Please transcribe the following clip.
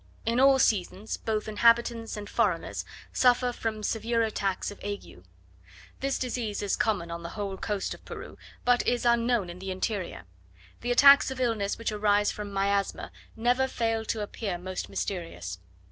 In all seasons, both inhabitants and foreigners suffer from severe attacks of ague. This disease is common on the whole coast of Peru, but is unknown in the interior. The attacks of illness which arise from miasma never fail to appear most mysterious.